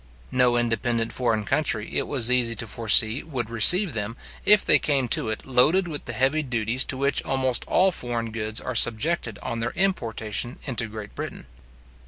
No independent foreign country, it was easy to foresee, would receive them, if they came to it loaded with the heavy duties to which almost all foreign goods are subjected on their importation into Great Britain.